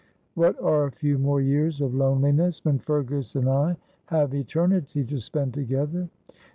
"What are a few more years of loneliness when Fergus and I have eternity to spend together.